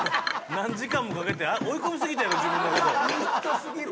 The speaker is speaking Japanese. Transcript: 何時間もかけて追い込みすぎたやろ自分の事。